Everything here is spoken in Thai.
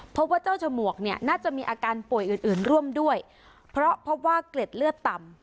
พบว่าเจ้าฉมวกเนี่ยน่าจะมีอาการป่วยอื่นอื่นร่วมด้วยเพราะพบว่าเกล็ดเลือดต่ำ